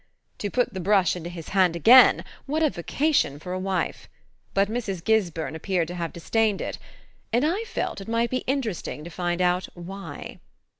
To put the brush into his hand again what a vocation for a wife! But Mrs. Gisburn appeared to have disdained it and I felt it might be interesting to find out why.